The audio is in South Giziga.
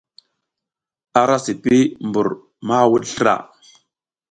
A ra sipi mbur ma wuɗ slra.